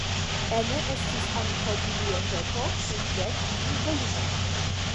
Ene estis ankaŭ biblioteko kun dek mil volumoj.